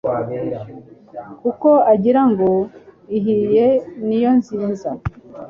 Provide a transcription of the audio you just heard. kuko agira ngo "ihiye ni yo nziza."